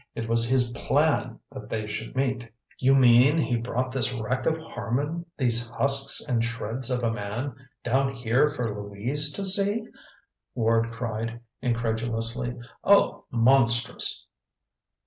It was his PLAN that they should meet." "You mean he brought this wreck of Harman, these husks and shreds of a man, down here for Louise to see?" Ward cried incredulously. "Oh, monstrous!"